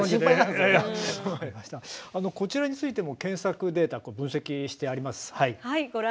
こちらについても検索データを分析してあります。